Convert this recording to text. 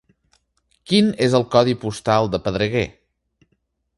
Quin és el codi postal de Pedreguer?